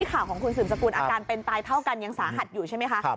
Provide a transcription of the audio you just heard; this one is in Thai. ข่าวของคุณสืบสกุลอาการเป็นตายเท่ากันยังสาหัสอยู่ใช่ไหมคะ